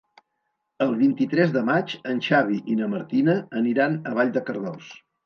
El vint-i-tres de maig en Xavi i na Martina aniran a Vall de Cardós.